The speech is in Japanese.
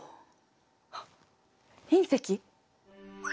あっ隕石？